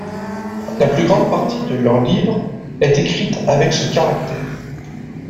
La plus grande partie de leurs livres est écrite avec ce caractère.